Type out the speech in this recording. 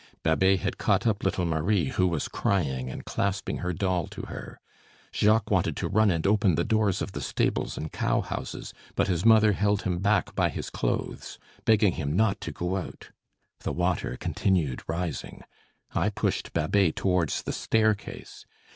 Babet had caught up little Marie, who was crying and clasping her doll to her. Jacques wanted to run and open the doors of the stables and cowhouses; but his mother held him back by his clothes, begging him not to go out. The water continued rising. I pushed Babet towards the staircase.